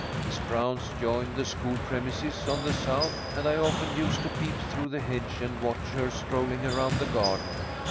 His grounds joined the school premises on the south, and I often used to peep through the hedge and watch her strolling around the garden.